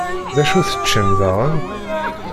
D acu teččamt daɣen?